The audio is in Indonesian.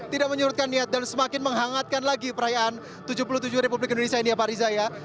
tidak menyurutkan niat dan semakin menghangatkan lagi perayaan tujuh puluh tujuh republik indonesia ini ya pak riza ya